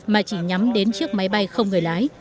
mà chỉ nhắm đến chiếc máy bay không người lái